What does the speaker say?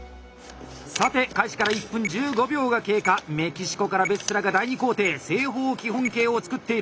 さて開始から１分１５秒が経過メキシコからベッセラが第２工程正方基本形を作っている。